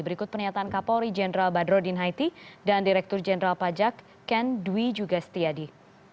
berikut pernyataan kapolri jenderal badrodin haiti dan direktur jenderal pajak ken dwi juga setiadi